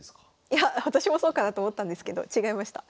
いや私もそうかなと思ったんですけど違いました。